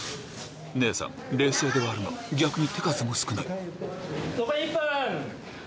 姉さん冷静ではあるが逆に手数も少ない・残り１分・